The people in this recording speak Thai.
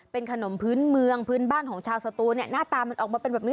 เป็นขนมพื้นเมืองพื้นบ้านของชาวสตูนเนี่ยหน้าตามันออกมาเป็นแบบนี้